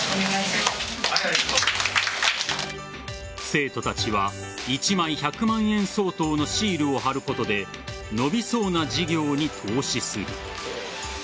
生徒たちは１枚１００万円相当のシールを貼ることで伸びそうな事業に投資する。